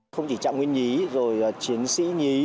không chỉ trạng nguyên nhí rồi chiến sĩ nhí